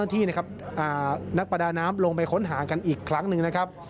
ต้องไปค้นหากันอีกครั้งหนึ่งนะครับ